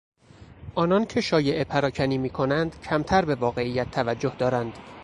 آنانکه شایعه پراکنی میکنند کمتر به واقعیت توجه دارند.